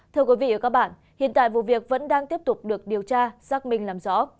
thưa quý vị và các bạn hiện tại vụ việc vẫn đang tiếp tục được điều tra xác minh làm rõ